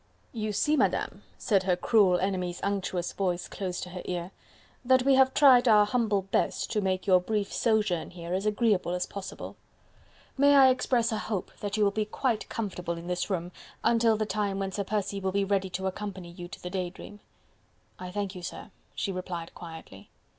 "You see, Madame," said her cruel enemy's unctuous voice close to her ear, "that we have tried our humble best to make your brief sojourn here as agreeable as possible. May I express a hope that you will be quite comfortable in this room, until the time when Sir Percy will be ready to accompany you to the 'Day Dream.'" "I thank you, sir," she replied quietly.